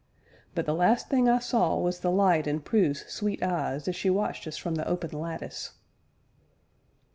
But the last thing I saw was the light in Prue's sweet eyes as she watched us from the open lattice.